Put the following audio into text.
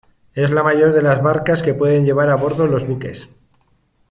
Es la mayor de las barcas que pueden llevar a bordo los buques.